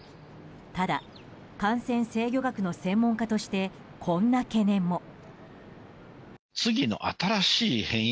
ただ感染制御学の専門家としてこんな懸念も。